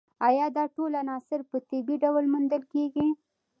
ایا دا ټول عناصر په طبیعي ډول موندل کیږي